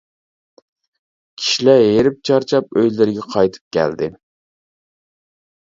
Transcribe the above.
كىشىلەر ھېرىپ-چارچاپ ئۆيلىرىگە قايتىپ كەلدى.